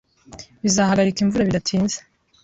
Bizahagarika imvura bidatinze.